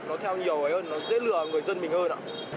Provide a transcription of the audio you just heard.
nó theo nhiều hơn nó dễ lừa người dân mình hơn ạ